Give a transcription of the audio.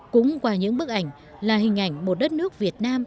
cũng qua những bức ảnh là hình ảnh một đất nước việt nam